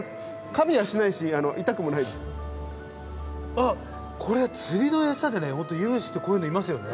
あっこれ釣りの餌でねユムシってこういうのいますよね。